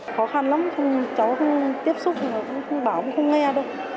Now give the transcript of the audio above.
khó khăn lắm cháu không tiếp xúc không bảo không nghe đâu